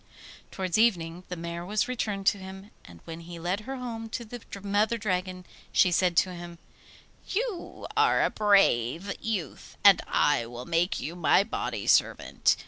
Towards evening the mare was returned to him, and when he led her home to the Mother Dragon she said to him: 'You are a brave youth, and I will make you my body servant.